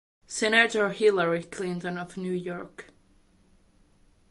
Senator Hillary Clinton of New York.